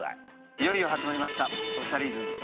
いよいよ始まりました『おしゃれイズム』。